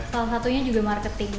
salah satunya juga marketing